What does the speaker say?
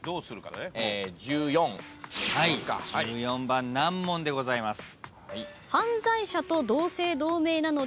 １４番難問でございます。